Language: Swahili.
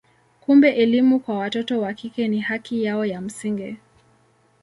Kumbe elimu kwa watoto wa kike ni haki yao ya msingi.